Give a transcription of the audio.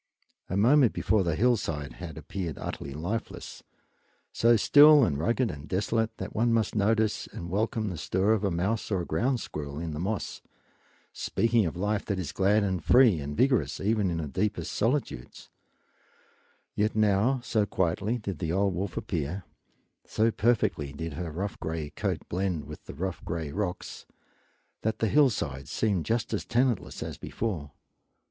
A moment before the hillside had appeared utterly lifeless, so still and rugged and desolate that one must notice and welcome the stir of a mouse or ground squirrel in the moss, speaking of life that is glad and free and vigorous even in the deepest solitudes; yet now, so quietly did the old wolf appear, so perfectly did her rough gray coat blend with the rough gray rocks, that the hillside seemed just as tenantless as before.